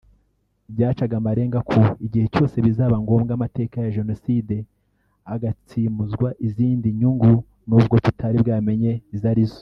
Byacaga amarenga ko igihe cyose bizaba ngombwa amateka ya jenoside agatsimuzwa izindi nyungu nubwo tutari bwamenye izo arizo